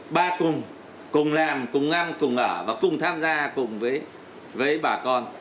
ba cùng cùng làm cùng ăn cùng ở và cùng tham gia cùng với bà con